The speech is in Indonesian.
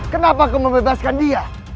kenapa kau membebaskan dia